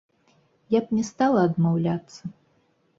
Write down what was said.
Я б не стала адмаўляцца.